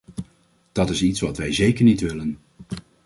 Dat is iets wat wij zeker niet willen.